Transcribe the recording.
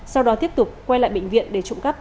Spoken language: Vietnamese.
sau đó tiếp tục quay lại bệnh viện để trộm cắp